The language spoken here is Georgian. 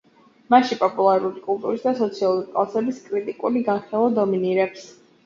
მასში პოპულარული კულტურის და სოციალური კლასების კრიტიკული განხილვა დომინირებს.